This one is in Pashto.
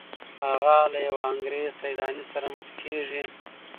هغه له یو انګریز سیلاني سره مخ کیږي.